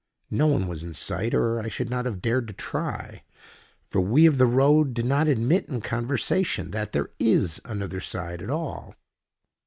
No one was in sight, or I should not have dared to try. For we of the road do not admit in conversation that there is another side at all.